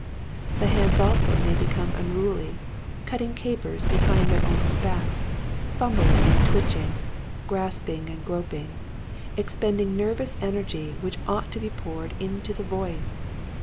The hands also may become unruly, cutting capers behind their owner's back, fumbling and twitching, grasping and groping, expending nervous energy which ought to be poured into the voice.